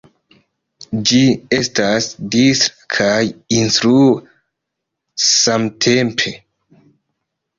Ĝi estas distra kaj instrua samtempe.